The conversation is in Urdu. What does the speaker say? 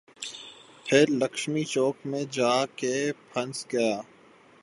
پھر لکشمی چوک میں جا کے پھنس گیا۔